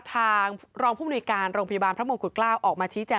ทางรองผู้มนุยการโรงพยาบาลพระมงกุฎเกล้าออกมาชี้แจง